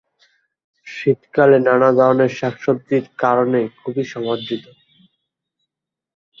শীতকাল নানা ধরণের শাকসবজির কারণে খুবই সমাদৃত।